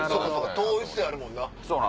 統一性あるもんな。